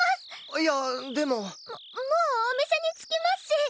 いやでも。ももうお店に着きますし！